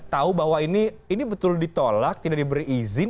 tahu bahwa ini betul ditolak tidak diberi izin